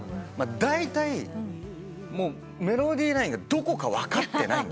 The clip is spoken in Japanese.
だいたいメロディーラインがどこか分かってない。